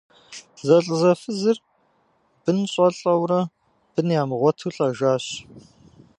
Зэлӏзэфызыр бынщӏэлӏэурэ, бын ямыгъуэту лӏэжащ.